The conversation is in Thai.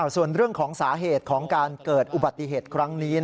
ส่วนเรื่องของสาเหตุของการเกิดอุบัติเหตุครั้งนี้